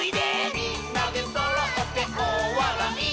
「みんなでそろっておおわらい」